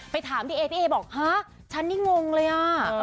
ถามพี่เอพี่เอบอกฮะฉันนี่งงเลยอ่ะ